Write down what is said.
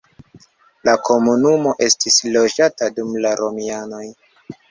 La komunumo estis loĝata dum la romianoj.